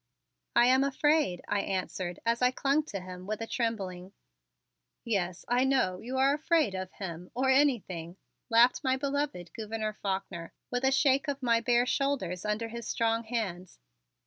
"I am afraid," I answered as I clung to him with a trembling. "Yes, I know you are afraid of him or anything," laughed my beloved Gouverneur Faulkner with a shake of my bare shoulders under his strong hands.